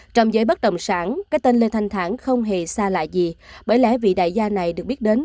trong giới bất động sản cái tên lê thanh thản không hề xa lạ gì bởi lẽ vị đại gia này được biết đến